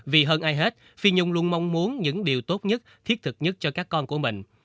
vì hơn ai hết phi nhung luôn mong muốn những điều tốt nhất thiết thực nhất cho các con của mình